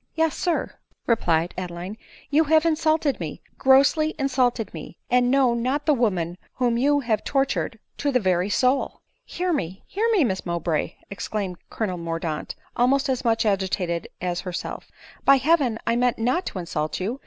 " Yes sir," replied Adeline ;" you have insulted me, grossly insulted me, and know not the woman whom you have tontured to the very soul." " Hear me, hear me, Miss Mowbray !" exclaimed co lonel Mordaunt, almost as much agitated as herself ;" by heaven I meant not to insult you